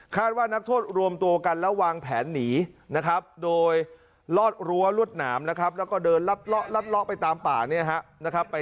คาดว่านักโทษรวมตัวกันแล้ววางแผนนีนะครับโดยลอดรั้วลลดหนามแล้วก็เดินล๊อตล๊อตไปตามป่านี้นะครับไป